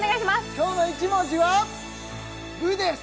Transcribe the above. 今日の１文字は「ブ」です